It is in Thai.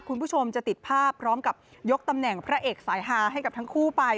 คุณผู้ชมจะติดภาพพร้อมกับยกตำแหน่งพระเอกสายฮาให้กับทั้งคู่ไป